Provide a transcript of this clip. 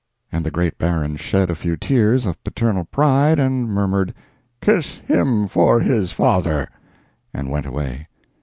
And the great Baron shed a few tears of paternal pride and murmured, "Kiss him for his father," and went away.